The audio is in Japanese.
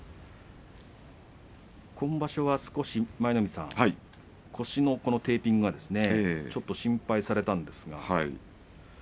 今場所は少し、腰のテーピングがちょっと心配されたんですが。